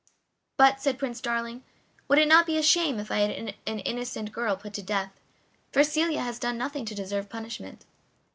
"But," said Prince Darling, "would it not be a shame if I had an innocent girl put to death? For Celia has done nothing to deserve punishment."